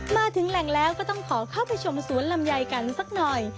มาถึงแหล่งแล้วก็ต้องขอเข้าไปชมสวนลำไยกันสักหน่อย